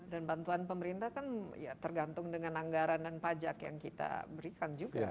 dan bantuan pemerintah kan tergantung dengan anggaran dan pajak yang kita berikan juga